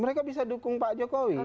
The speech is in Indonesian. mereka bisa dukung pak jokowi